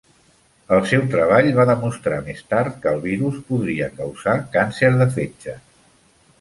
El seu treball va demostrar més tard que el virus podria causar càncer de fetge.